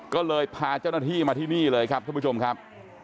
ก็เลยพาเจ้าหน้าที่มาที่นี่เลยครับท่านผู้ชมครับ